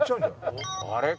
あれ？